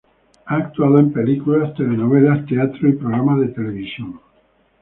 Ha actuado en películas, telenovelas, teatro y programas de televisión.